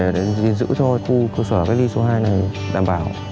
để giữ cho khu cơ sở cách ly số hai này đảm bảo